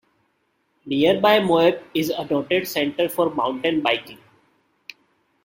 Nearby Moab is a noted center for mountain biking.